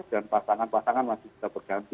dan pasangan pasangan masih bisa berganti